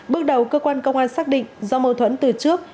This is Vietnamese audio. bước đầu cơ quan công an xác định do mâu thuẫn từ trước